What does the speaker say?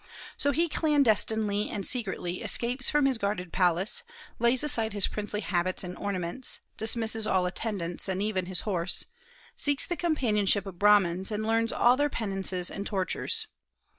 So he clandestinely and secretly escapes from his guarded palace; lays aside his princely habits and ornaments; dismisses all attendants, and even his horse; seeks the companionship of Brahmans, and learns all their penances and tortures.